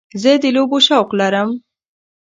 زه د لوبو شوق لرم.